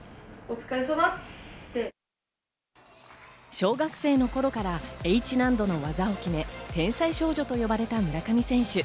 小学生の頃からＨ難度の技を決め、天才少女と呼ばれた村上選手。